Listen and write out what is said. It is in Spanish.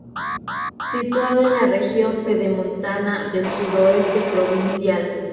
Situado en la región pedemontana del sudoeste provincial.